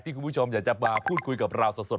คุณผู้ชมอยากจะมาพูดคุยกับเราสด